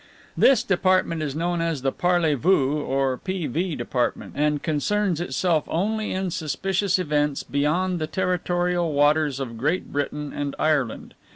This department is known as the Parley Voos or P.V. Department, and concerns itself only in suspicious events beyond the territorial waters of Great Britain and Ireland.